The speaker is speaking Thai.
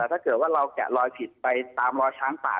ถ้าเกิดว่าเราแกะลอยผิดไปตามรอยช้างป่า